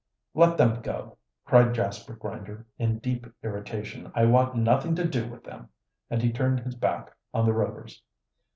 "Let them go," cried Jasper Grinder, in deep irritation. "I want nothing to do with them," and he turned his back on the Rovers.